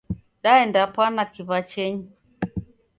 Daendapwana kiw'achenyi.